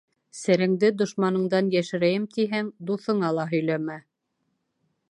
Сереңде дошманыңдан йәшерәйем тиһәң, дуҫыңа ла һөйләмә.